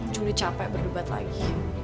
juli capek berdebat lagi